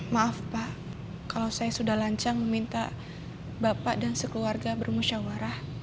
maaf pak kalau saya sudah lancar meminta bapak dan sekeluarga bermusyawarah